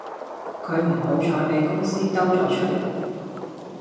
佢唔好彩比公司兜咗出嚟